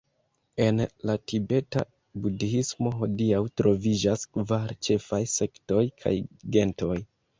En la tibeta budhismo hodiaŭ troviĝas kvar ĉefaj sektoj kaj gentoj.